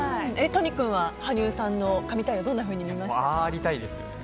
都仁君は羽生さんの神対応どう見ましたか？